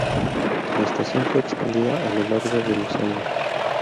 La estación fue expandida a lo largo de los años.